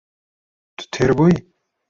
Tu têr bûyî?